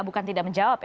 bukan tidak menjawab ya